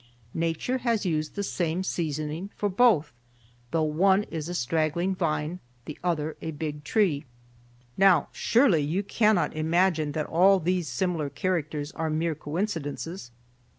Nature has used the same seasoning for both, though one is a straggling vine, the other a big tree. "Now, surely you cannot imagine that all these similar characters are mere coincidences.